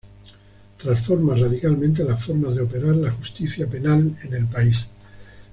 Transforma radicalmente las formas de operar la justicia penal en el país.